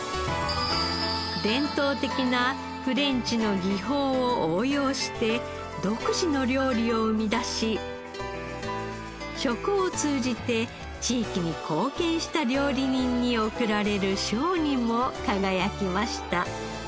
伝統的なフレンチの技法を応用して独自の料理を生み出し食を通じて地域に貢献した料理人に贈られる賞にも輝きました。